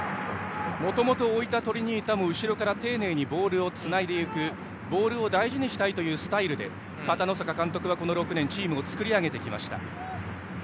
もともと大分トリニータも後ろから丁寧にボールをつないでいくボールを大事にしたいというスタイルで片野坂監督はこの６年、チームを作り上げてきました。